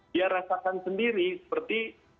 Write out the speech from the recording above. dia rasakan sendiri seperti